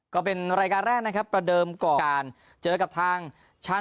ก็เป็นรายการแรกนะครับประเดิมก่อนการเจอกับทางชั้น